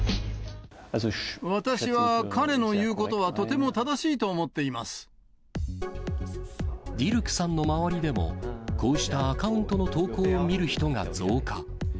私は彼の言うことはとても正ディルクさんの周りでも、こうしたアカウントの投稿を見る人が増加。